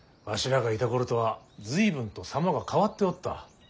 らがいた頃とは随分と様が変わっておった。